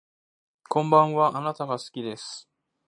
こんばんはあなたが好きです